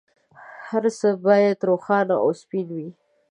هر څه باید روښانه او سپین وي.